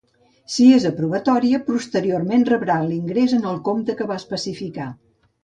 Si és aprovatòria posteriorment rebrà l'ingrés en el compte que va especificar.